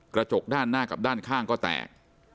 กระจกด้านหน้ากับด้านข้างก็แตก